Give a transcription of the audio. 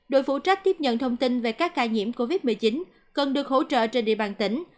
đội phụ trách tiếp nhận thông tin về các ca nhiễm covid một mươi chín cần được hỗ trợ trên địa bàn tỉnh